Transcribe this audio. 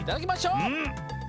うん。